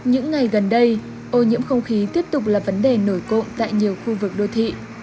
hãy đăng ký kênh để ủng hộ kênh của chúng mình nhé